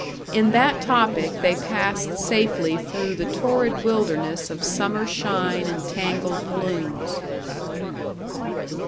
In that topic they passed safely through the torrid wilderness of summer shine and tangled blooms.